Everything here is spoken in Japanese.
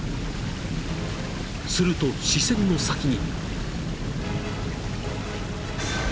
［すると視線の先に］